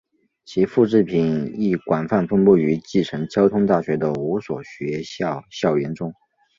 其复制品亦广泛分布于继承交通大学的五所学校校园中。